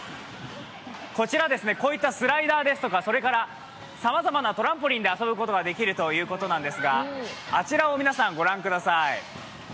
こちら、こういったスライダーですとかさまざまなトランポリンで遊ぶことができるんですがあちらを皆さん、ご覧ください。